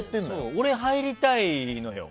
俺、入りたいのよ。